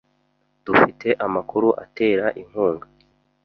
Dufite amakuru atera inkunga.